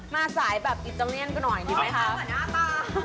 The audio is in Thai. มาสายอิตาเลี่ยนกันหน่อยดีไหมคะขอเป็นสวยง่ามาก